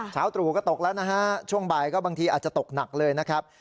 ตรู่ก็ตกแล้วนะฮะช่วงบ่ายก็บางทีอาจจะตกหนักเลยนะครับ